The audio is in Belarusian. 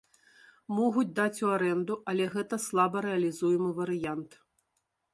Могуць даць у арэнду, але гэта слабарэалізуемы варыянт.